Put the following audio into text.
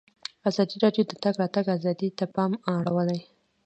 ازادي راډیو د د تګ راتګ ازادي ته پام اړولی.